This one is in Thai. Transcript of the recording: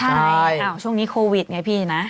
ใช่ช่วงนี้โควิดไงพี่นะ